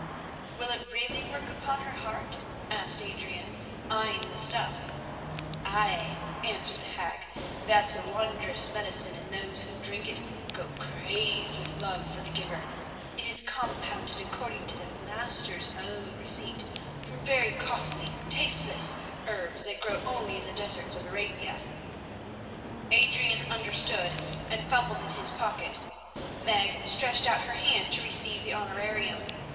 "Will it really work upon her heart?" asked Adrian, eyeing the stuff. "Ay," answered the hag, "that's a wondrous medicine, and those who drink it go crazed with love for the giver. It is compounded according to the Master's own receipt, from very costly tasteless herbs that grow only in the deserts of Arabia." Adrian understood, and fumbled in his pocket. Meg stretched out her hand to receive the honorarium.